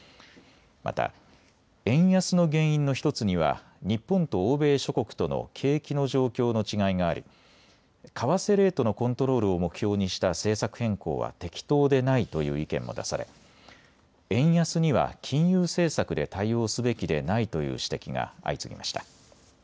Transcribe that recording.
また、円安の原因の１つには日本と欧米諸国との景気の状況の違いがあり為替レートのコントロールを目標にした政策変更は適当でないという意見も出され円安には金融政策で対応すべきでないという指摘が相次ぎました。